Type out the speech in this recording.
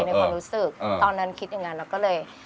ในความรู้สึกตอนนั้นคิดอย่างนั้นเราก็เลย